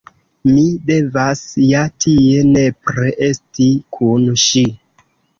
Mi devas ja tie nepre esti kun ŝi.